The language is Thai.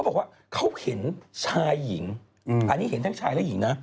มูนไหนมูนไหนไง